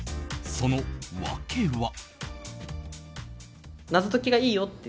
その訳は。